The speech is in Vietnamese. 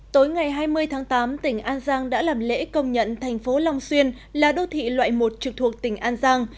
tối ngày hai mươi tháng tám tỉnh an giang đã làm lễ công nhận thành phố long xuyên là đô thị loại một trực thuộc tỉnh an giang